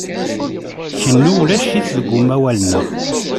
Kennu ulac-it deg umawal-nneɣ.